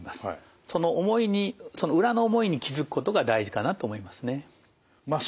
その思いにその裏の思いに気付くことが大事かなと思いますね。